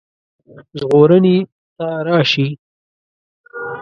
ژغورني ته راشي.